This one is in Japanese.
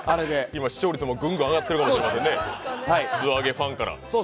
今、視聴率もぐんぐん上がっているかもしれませんね、素揚げファンから。